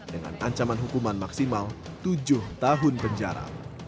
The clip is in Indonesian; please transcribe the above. dengan ancaman hukuman maksimal tujuh tahun penjara